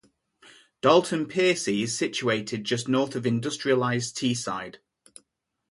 Dalton Piercy is situated just north of industrialised Teesside.